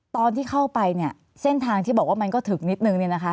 ตอนที่เข้าไปเนี่ยเส้นทางที่บอกว่ามันก็ถึงนิดนึงเนี่ยนะคะ